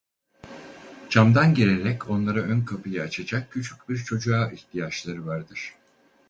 Camdan girerek onlara ön kapıyı açacak küçük bir çocuğa ihtiyaçları vardır.